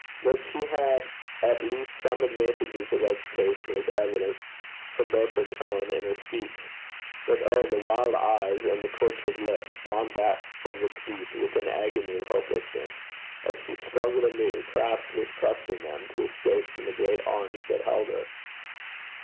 That she had had at least some advantages of education, was evident from both her tone and her speech. But oh, the wild eyes, and the tortured lips, drawn back from the teeth with an agony of hopelessness, as she struggled anew, perhaps mistrusting them, to escape from the great arms that held her!